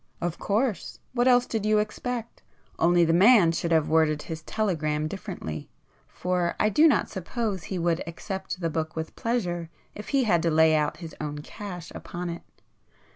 "Of course! what else did you expect? Only the man should have worded his telegram differently, for I do not suppose he would accept the book with pleasure if he had to lay out his own cash upon it.